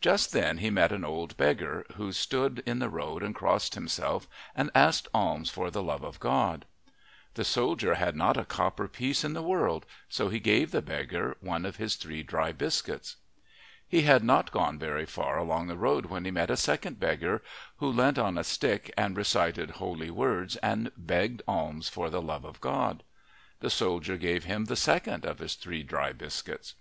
Just then he met an old beggar, who stood in the road and crossed himself and asked alms for the love of God. The soldier had not a copper piece in the world, so he gave the beggar one of his three dry biscuits. He had not gone very far along the road when he met a second beggar, who leant on a stick and recited holy words and begged alms for the love of God. The soldier gave him the second of his three dry biscuits.